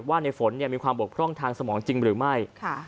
ว่าในฝนมีความบกพร่องทางสมองจริงหรือไม่